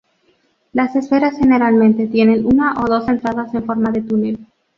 Las esferas generalmente tienen una o dos entradas en forma de túnel.